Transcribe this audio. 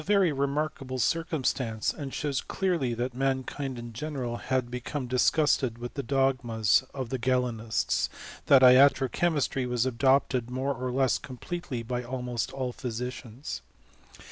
It is a Tery remarkable circumstance, and shows clearly that mankind in general had become disgusted with the dogmas of the Galenists, that iatro che* mistry was adopted more or less completely by almost all physicians.